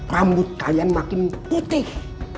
rambut kalian makin putih